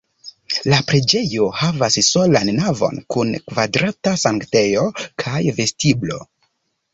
La preĝejo havas solan navon kun kvadrata sanktejo kaj vestiblo.